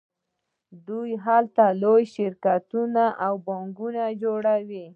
دوی هلته لوی شرکتونه او بانکونه جوړوي